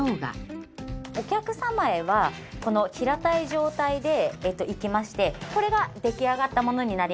お客様へはこの平たい状態で行きましてこれが出来上がったものになります。